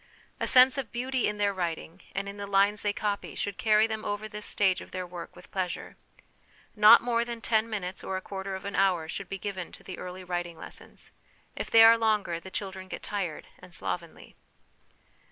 A sense of beauty in their writing and in the lines they copy should carry them over this stage of their work with pleasure. Not more than ten minutes or a quarter of an hour should be given to the early writing lessons. If they are longer the children get tired and slovenly.